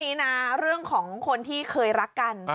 นี้นะเรื่องของคนที่เคยรักกัน